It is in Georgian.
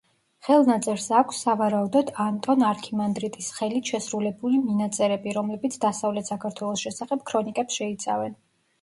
ხელნაწერს აქვს, სავარაუდოდ, ანტონ არქიმანდრიტის ხელით შერულებული მინაწერები, რომლებიც დასავლეთ საქართველოს შესახებ ქრონიკებს შეიცავენ.